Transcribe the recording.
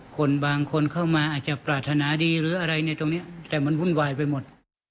คนบางคนเข้ามาอาจจะปรารถนาดีหรืออะไรในตรงนี้แต่มันวุ่นวายไปหมด